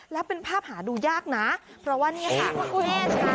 ภาพหาดูยากนะเพราะว่านี่ค่ะแม่ช้าง